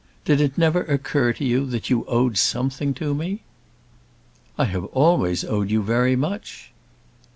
Did it never occur to you that you owed something to me?" "I have always owed you very much."